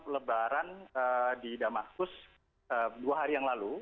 lebaran di damaskus dua hari yang lalu